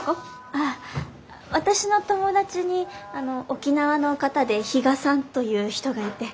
あっ私の友達に沖縄の方で比嘉さんという人がいて。